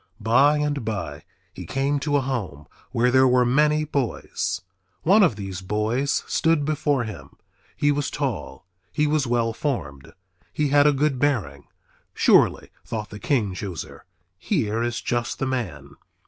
By and by he came to a home where there were many boys. One of these boys stood before him. He was tall. He was well formed. He had a good bearing. Surely, thought the king chooser, here is just the man.